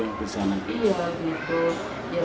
ya balik balik ke mana kan udah rusak seluruh rumahnya